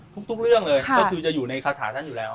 ทุกเรื่องเลยก็คือจะอยู่ในคาถาท่านอยู่แล้ว